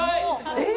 えっ！